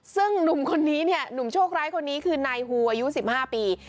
ซึ่งหนุ่มคนนี้เนี่ยหนุ่มโชคร้ายคนนี้คือนายฮูอายุ๑๕ปี